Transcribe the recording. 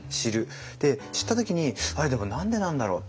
知った時にあれでも何でなんだろう？